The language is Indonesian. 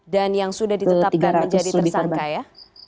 dan yang sudah ditetapkan menjadi tersangka ya